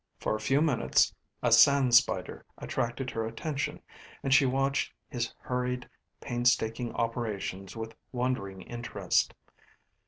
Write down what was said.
For a few minutes a sand spider attracted her attention and she watched his hurried painstaking operations with wondering interest.